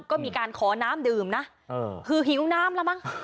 ก็มีการขอน้ำดื่มนะคือหิวน้ำแล้วมั้ง